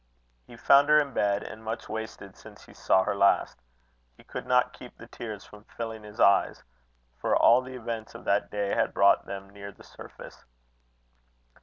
He found her in bed, and much wasted since he saw her last. He could not keep the tears from filling his eyes, for all the events of that day had brought them near the surface.